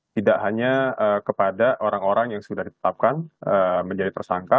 tidak hanya kepada orang orang yang sudah ditetapkan menjadi tersangka